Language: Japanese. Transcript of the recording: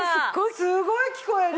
すごい聞こえる！